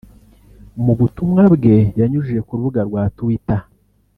Mu butumwa bwe yanyujije ku rubuga rwa twitter